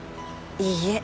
いいえ。